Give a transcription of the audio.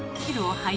はい。